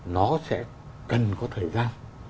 nó sẽ cần có thời gian